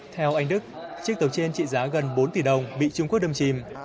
theo anh đức chiếc tàu trên trị giá gần bốn tỷ đồng bị trung quốc đâm chìm